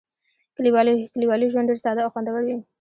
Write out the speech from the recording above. کلیوالي ژوند ډېر ساده او خوندور وي.